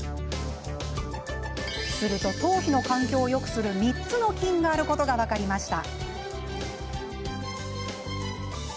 すると、頭皮の環境をよくする３つの菌があることが分かりました。